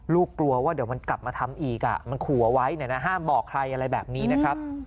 กลัวว่าเดี๋ยวมันกลับมาทำอีกมันขู่เอาไว้ห้ามบอกใครอะไรแบบนี้นะครับ